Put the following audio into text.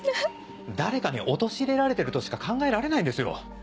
誰かに陥れられてるとしか考えられないんですよ。